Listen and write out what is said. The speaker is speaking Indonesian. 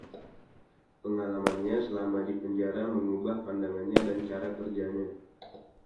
Pengalamannya selama di penjara mengubah pandangannya dan cara kerjanya.